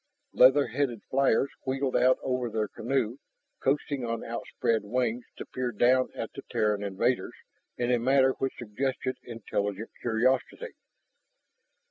Leather headed flyers wheeled out over their canoe, coasting on outspread wings to peer down at the Terran invaders in a manner which suggested intelligent curiosity.